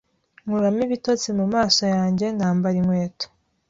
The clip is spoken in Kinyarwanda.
nkuramo ibitotsi mu maso yanjye, nambara inkweto.